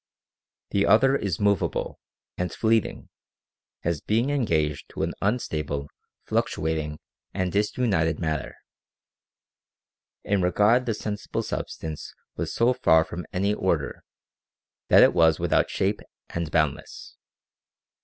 The other is movable and fleeting, as being engaged to an unstable, fluctuating, and disunited matter. In regard the sensible substance was so far from any order, that it was without shape and boundless.